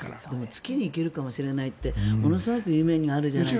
月に行けるかもしれないってものすごく夢があるじゃないですか。